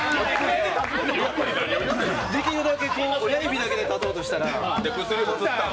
できるだけ親指だけで立とうとしたら。